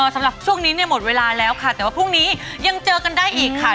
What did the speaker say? สำหรับช่วงนี้เนี่ยหมดเวลาแล้วค่ะแต่ว่าพรุ่งนี้ยังเจอกันได้อีกค่ะ